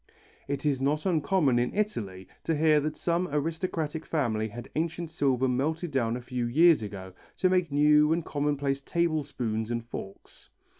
It is not uncommon in Italy, to hear that some aristocratic family had ancient silver melted down a few years ago, to make new and commonplace table spoons and forks.